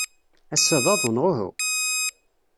Ass-a d aḍu, neɣ uhu?